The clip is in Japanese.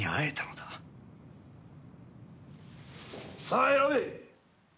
さあ選べ！